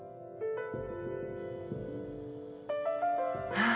ああ